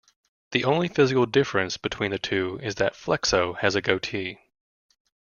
The only physical difference between the two is that Flexo has a goatee.